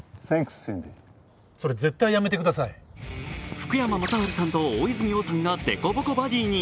福山雅治さんと大泉洋さんが凸凹バディに。